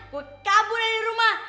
gue kabur dari rumah